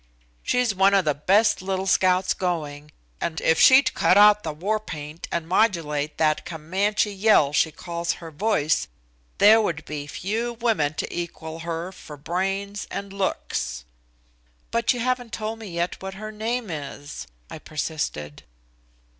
She's one of the best little scouts going, and, if she'd cut out the war paint and modulate that Comanche yell she calls her voice there would be few women to equal her for brains or looks." "But you haven't told me yet what her name is," I persisted.